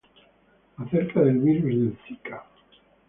Acerca del virus del Zika